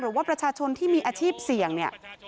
หรือว่าประชาชนที่มีอาชีพเสี่ยงเนี่ย